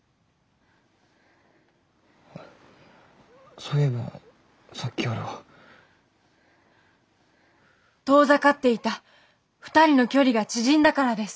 そういえばさっきよりは。遠ざかっていた２人の距離が縮んだからです。